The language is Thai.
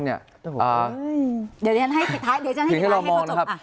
เดี๋ยวฉันให้ติดลายให้เขาจบ